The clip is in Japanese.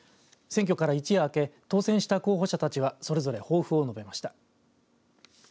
選挙から一夜明け当選した候補者たちはそれぞれ抱負を述べました。